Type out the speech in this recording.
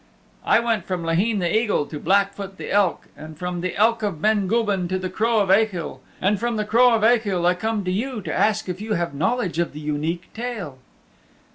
"I went from Laheen the Eagle to Blackfoot the Elk, and from the Elk of Ben Gulban to the Crow of Achill, and from the Crow of Achill, I come to you to ask if you have knowledge of the Unique Tale."